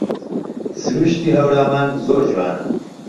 سرووشتی هەورامان زۆر جوانە